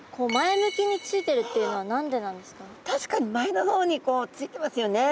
確かに前の方にこうついてますよね。